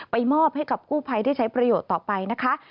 มอบให้กับกู้ภัยได้ใช้ประโยชน์ต่อไปนะคะ